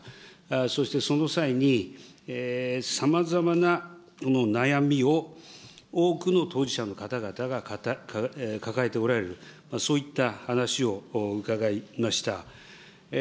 そしてその際に、さまざまな悩みを多くの当事者の方々が抱えておられる、そういった話を伺いました。